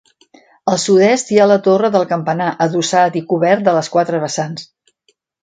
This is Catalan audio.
Al sud-est hi ha la torre del campanar, adossat i cobert de les quatre vessants.